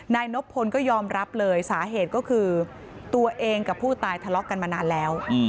นายนบพลก็ยอมรับเลยสาเหตุก็คือตัวเองกับผู้ตายทะเลาะกันมานานแล้ว